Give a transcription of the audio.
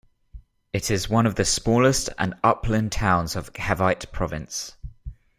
It is one of the smallest and upland towns of Cavite province.